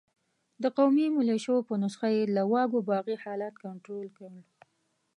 د قومي ملېشو په نسخه یې له واګو باغي حالت کنترول کړ.